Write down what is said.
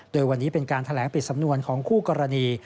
โดยวันนี้เป็นการแถลงปิดสำนวนของคู่กรณี